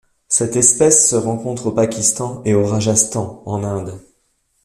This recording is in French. Cette espèce se rencontre au Pakistan et au Rajasthan en Inde.